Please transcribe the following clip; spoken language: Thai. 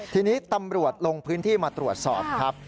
ทีนี้ตำรวจลงพื้นที่มาตรวจสอบครับ